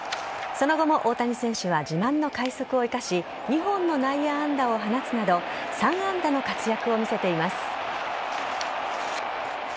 その後も大谷選手は自慢の快足を生かし２本の内野安打を放つなど３安打の活躍を見せています。